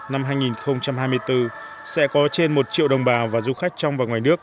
năm hai nghìn hai mươi bốn sẽ có trên một triệu đồng bào và du khách trong và ngoài nước